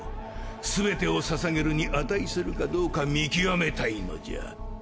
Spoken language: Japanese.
全てを捧げるに値するかどうか見極めたいのじゃ。